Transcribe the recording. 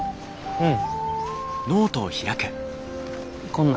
うん。